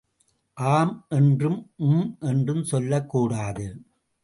ஆம் என்றும் ஊம் என்றும் சொல்லக் கூடாது.